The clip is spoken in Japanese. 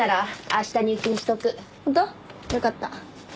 よかった。